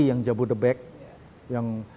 yang jabodebek yang